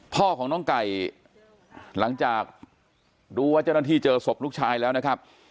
พ่อของน้องไก่หลังจากรู้ว่าเจ้าหน้าที่เจอศพลูกชายแล้วนะครับ